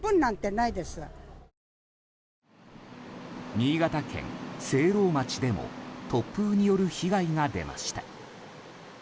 新潟県聖籠町でも突風による被害が出ました。